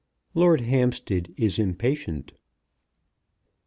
LORD HAMPSTEAD IS IMPATIENT.